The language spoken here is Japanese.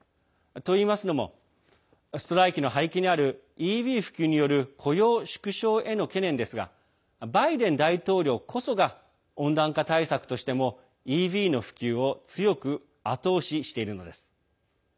といいますのもストライキの背景にあるＥＶ普及による雇用縮小への懸念ですがバイデン大統領こそが温暖化対策としてもＥＶの普及を強く後押ししているのです。